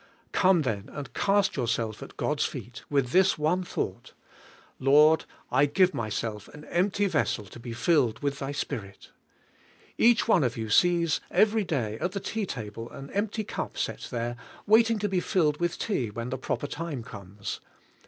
Come then and cast yourself at God's feet, with this one thought, "Lord, I give myself an empty vessel to be filled with Thy Spirit." Each one of you sees every day at the tea table an empty cup set there, waiting to be filled with tea when the proper time comes.